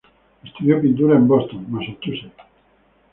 Estudió pintura en Boston, Massachusetts.